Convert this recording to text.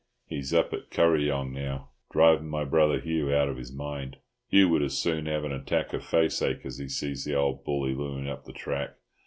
He's up at Kuryong now, driving my brother Hugh out of his mind. Hugh would as soon have an attack of faceache as see old Bully looming up the track.